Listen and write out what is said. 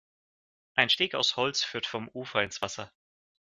Ein Steg aus Holz führt vom Ufer ins Wasser.